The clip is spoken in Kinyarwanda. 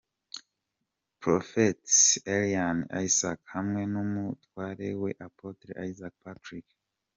Prophetess Eliane Isaac hamwe n'umutware we Apotre Isaac Patrick.